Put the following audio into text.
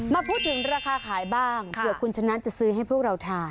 มาพูดถึงราคาขายบ้างเผื่อคุณชนะจะซื้อให้พวกเราทาน